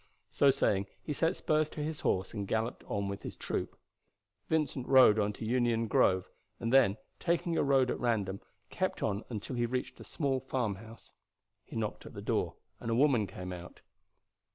So saying he set spurs to his horse and galloped on with his troop. Vincent rode on to Union Grove, and then taking a road at random kept on till he reached a small farmhouse. He knocked at the door, and a woman came out.